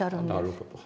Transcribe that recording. なるほど。